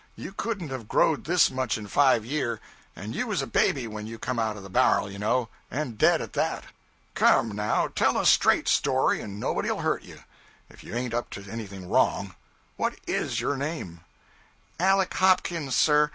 You couldn't have growed this much in five year, and you was a baby when you come out of the bar'l, you know, and dead at that. Come, now, tell a straight story, and nobody'll hurt you, if you ain't up to anything wrong. What is your name?' 'Aleck Hopkins, sir.